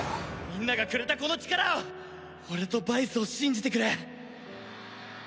みんながくれたこの力を俺とバイスを信じてくれ！